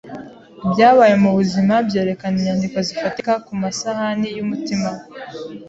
Ibyabaye mubuzima byerekana inyandiko zifatika kumasahani yumutima we.